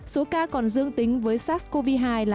số ca còn dương tính với sars cov hai